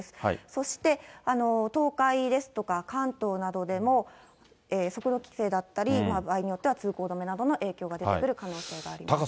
そして東海ですとか関東などでも、速度規制だったり、場合によっては通行止めなどの影響が出てくる可能性があります。